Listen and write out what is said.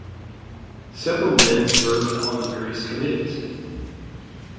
Several men served on the various committees.